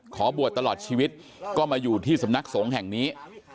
ขอบวชตลอดชีวิตก็มาอยู่ที่สำนักสงฆ์แห่งนี้